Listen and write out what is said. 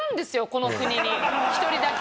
この国に１人だけ。